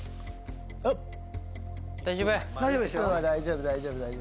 大丈夫。